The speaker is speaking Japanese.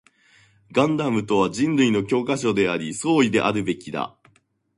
ガンダムとは人類の教科書であり、総意であるべきだ